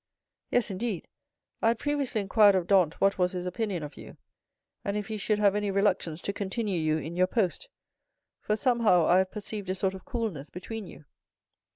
"Yes, indeed; I had previously inquired of Dantès what was his opinion of you, and if he should have any reluctance to continue you in your post, for somehow I have perceived a sort of coolness between you."